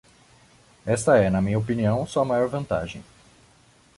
Esta é, na minha opinião, sua maior vantagem.